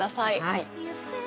はい。